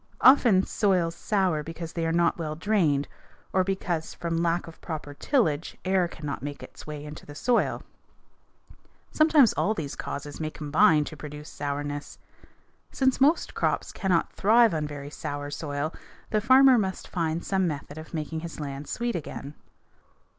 Often soils sour because they are not well drained or because, from lack of proper tillage, air cannot make its way into the soil. Sometimes all these causes may combine to produce sourness. Since most crops cannot thrive on very sour soil, the farmer must find some method of making his land sweet again.